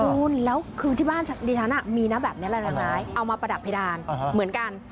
คุณแล้วคือที่บ้านดิฉันมีนะแบบนี้หลายเอามาประดับเพดานเหมือนกัน